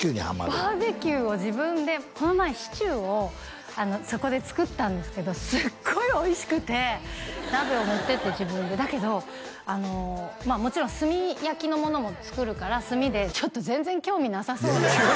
バーベキューを自分でこの前シチューをそこで作ったんですけどすっごいおいしくて鍋を持ってって自分でだけどもちろん炭焼きのものも作るから炭でちょっと全然興味なさそうだね